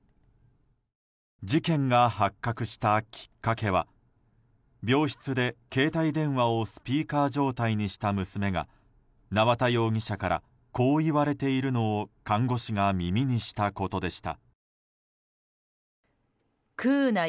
事件が発覚したきっかけは病室で携帯電話をスピーカー状態にした娘が縄田容疑者からこう言われているのを看護師が耳にしたことでした。